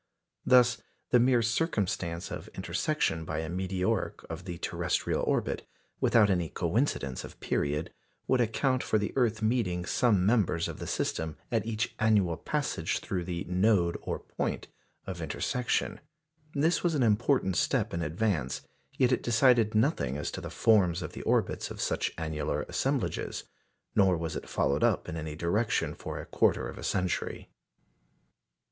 Thus the mere circumstance of intersection by a meteoric of the terrestrial orbit, without any coincidence of period, would account for the earth meeting some members of the system at each annual passage through the "node" or point of intersection. This was an important step in advance, yet it decided nothing as to the forms of the orbits of such annular assemblages; nor was it followed up in any direction for a quarter of a century.